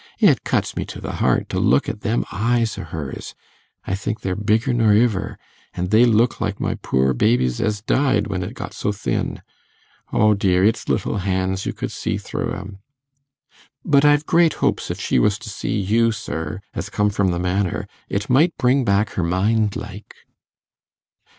It cuts me to th' heart to look at them eyes o' hers; I think they're bigger nor iver, an' they look like my poor baby's as died, when it got so thin O dear, its little hands you could see thro' 'em. But I've great hopes if she was to see you, sir, as come from the Manor, it might bring back her mind, like.